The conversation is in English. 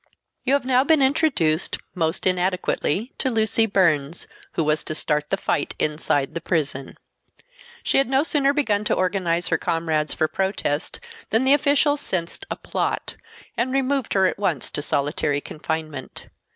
You have now been introduced, most inadequately, to Lucy Burns, who was to start the fight inside the prison. She had no sooner begun to organize her comrades for protest than the officials sensed a "plot," and removed her at once to solitary confinement.